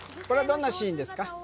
これはどんなシーンですか？